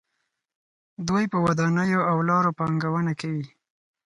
دوی په ودانیو او لارو پانګونه کوي.